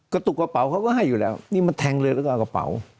ตุกกระเป๋าเขาก็ให้อยู่แล้วนี่มันแทงเลยแล้วก็เอากระเป๋า